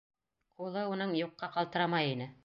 Ҡулы уның юҡҡа ҡалтырамай ине.